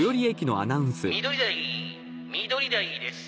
緑台緑台です。